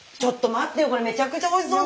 これめちゃくちゃおいしそうなんだけど。